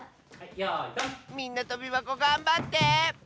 みんなとびばこがんばって！